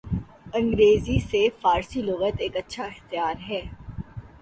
انگریزی سے فارسی لغت ایک اچھا اختیار ہے